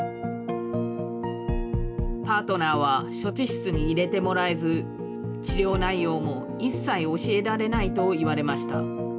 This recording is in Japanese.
パートナーは処置室に入れてもらえず、治療内容も一切教えられないといわれました。